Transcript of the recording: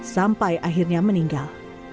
sampai akhirnya meninggal